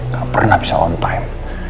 gak pernah bisa lontain